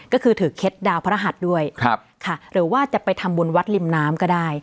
ก็คือถือเคล็ดดาวพระหัสด้วยหรือว่าจะไปทำบุญวัดริมน้ำก็ได้